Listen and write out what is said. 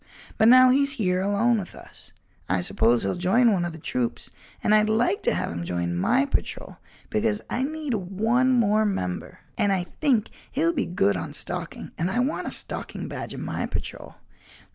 But now he's here alone with us, I suppose he'll join one of the troops and I'd like to have him join my patrol because I need one more member and I think he'll be good on stalking and I want a stalking badge in my patrol.